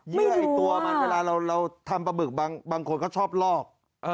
เยื่อไอ้ตัวมันเวลาเราทำปลาบึกบางคนก็ชอบลอก